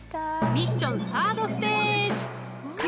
ミッションサードステージうわ。